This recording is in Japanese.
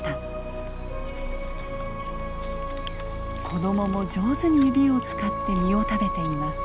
子どもも上手に指を使って実を食べています。